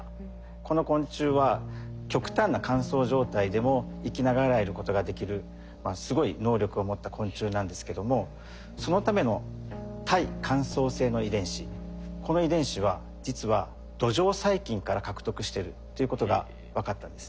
この昆虫は極端な乾燥状態でも生き長らえることができるすごい能力を持った昆虫なんですけどもそのための耐乾燥性の遺伝子この遺伝子は実は土壌細菌から獲得してるということが分かったんですね。